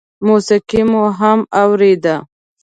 موسيقي مو هم اورېده.